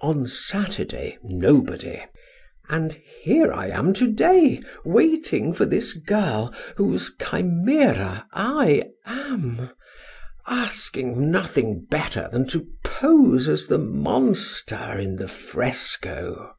On Saturday, nobody. And here I am to day waiting for this girl whose chimera I am, asking nothing better than to pose as the monster in the fresco."